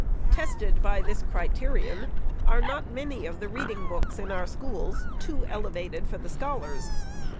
Tested by this criterion, are not many of the reading books in our schools too elevated for the scholars